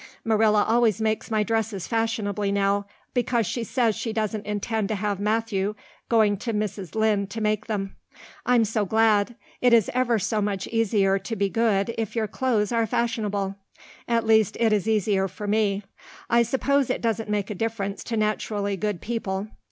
Marilla always makes my dresses fashionably now, because she says she doesn't intend to have Matthew going to Mrs. Lynde to make them. I'm so glad. It is ever so much easier to be good if your clothes are fashionable. At least, it is easier for me. I suppose it doesn't make such a difference to naturally good people.